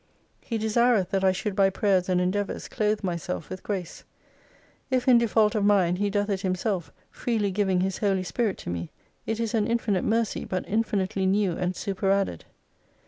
He desireth that I should by prayers and endeavours clothe myself with grace. If in default of mine, He doth it Himself, freely giving His Holy Spirit to me, it is an infinite mercy, but infinitely new and superadded.